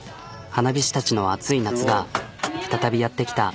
花火師たちの熱い夏が再びやって来た。